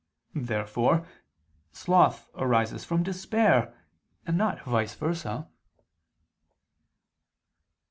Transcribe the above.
Therefore sloth arises from despair, and not vice versa.